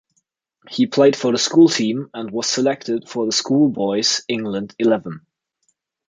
He played for the school team and was selected for the schoolboys' England eleven.